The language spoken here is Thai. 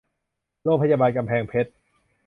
โรงพยาบาลกำแพงเพชร